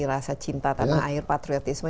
rasa cinta tanah air patriotisme